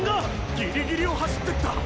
ギリギリを走ってった！！